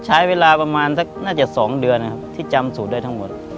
ใช้เวลาประมาณสักน่าจะ๒เดือนนะครับที่จำสูตรได้ทั้งหมด